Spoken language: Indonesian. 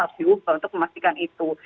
harus diubah untuk memastikan itu